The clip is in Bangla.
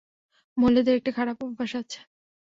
মহিলাদের একটা খারাপ অভ্যাস আছে।